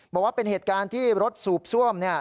บอกว่าเป็นเหตุการณ์ที่รถสูบซ่วม